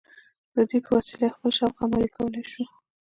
ده په دې وسیله خپل شوق عملي کولای شو